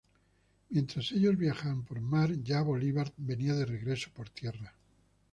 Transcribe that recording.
Mientras ellos viajan por mar, ya Bolívar venía de regreso por tierra.